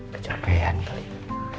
kecapean kali ini